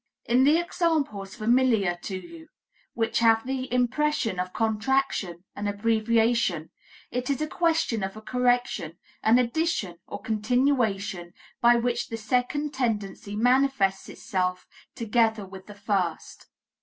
" In the examples familiar to you, which give the impression of contraction and abbreviation, it is a question of a correction, an addition or continuation by which the second tendency manifests itself together with the first.